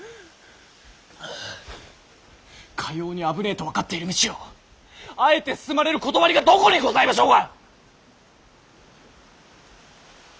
かように危ねぇと分かっている道をあえて進まれることわりがどこにございましょうか。